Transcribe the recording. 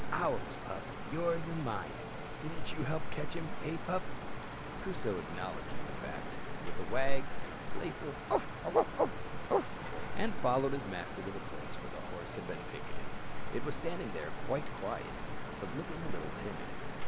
Ours, pup; yours and mine: didn't you help to catch him, eh, pup?" Crusoe acknowledged the fact with a wag and a playful "bow wow wow oo ow!" and followed his master to the place where the horse had been picketed. It was standing there quite quiet, but looking a little timid.